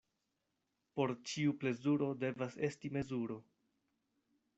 Por ĉiu plezuro devas esti mezuro.